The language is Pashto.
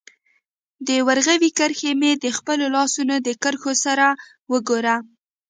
د ورغوي کرښي مي د خپلو لاسونو د کرښو سره وګوره